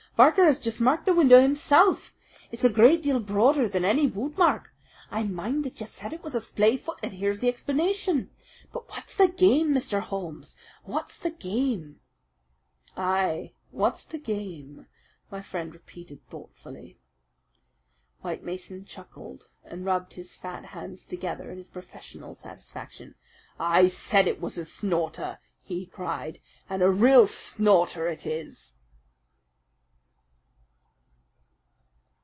Barker has just marked the window himself. It's a good deal broader than any bootmark. I mind that you said it was a splay foot, and here's the explanation. But what's the game, Mr. Holmes what's the game?" "Ay, what's the game?" my friend repeated thoughtfully. White Mason chuckled and rubbed his fat hands together in his professional satisfaction. "I said it was a snorter!" he cried. "And a real snorter it is!"